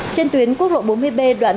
trên tuyến quốc lộ bốn mươi b đoạn ba